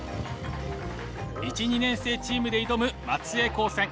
１２年生チームで挑む松江高専。